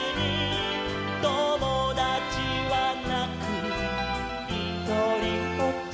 「ともだちはなくひとりぽっち」